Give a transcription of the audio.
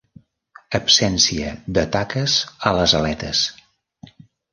Absència de taques a les aletes.